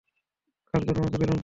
কালকেও তোমাকে বেলুন কিনে দেবো।